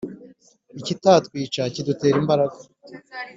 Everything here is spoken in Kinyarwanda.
ikitatwica kidutera imbaraga.